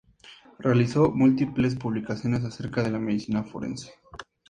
Realizó múltiples publicaciones acerca de la medicina forense.